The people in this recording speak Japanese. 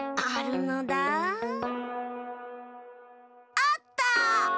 あった！